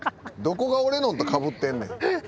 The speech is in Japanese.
どこが俺のとかぶってんねん。